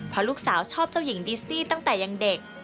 เพราะลูกสาวชอบเจ้าหญิงดิสซี่ตั้งแต่ยังเด็ก